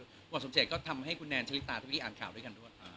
หมอสมเจตก็ทำให้คุณแนนชะลิตาทุกที่อ่านข่าวด้วยกันด้วย